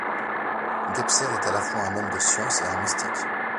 Gebser est à la fois un homme de science et un mystique.